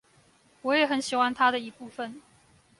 我也很喜歡他的一部分